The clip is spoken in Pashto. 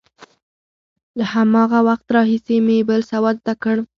له هماغه وخته راهیسې مې بل سواد زده کړ.